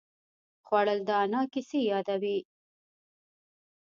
خوړل د انا کیسې یادوي